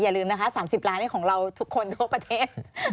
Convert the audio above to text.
อย่าลืมนะคะ๓๐ล้านของเราทุกคนทั่วประเทศ